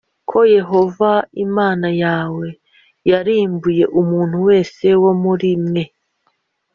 ko Yehova Imana yawe yarimbuye umuntu wese wo muri mwe